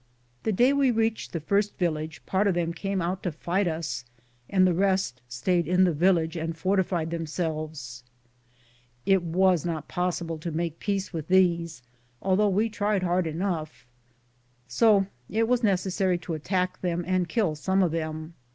The day we reached the first village part of them came out to fight us, and the rest stayed in the village and fortified themselves. IDS am Google THE JOTJRNET OP CORONADO It was not possible to make peace with these, although we tried hard enough, so it was necessary to attack them and kill some of them.